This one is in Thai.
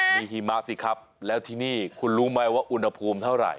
มีหิมะสิครับแล้วที่นี่คุณรู้ไหมว่าอุณหภูมิเท่าไหร่